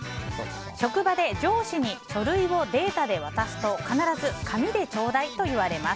職場で上司に書類をデータで渡すと必ず紙でちょうだいと言われます。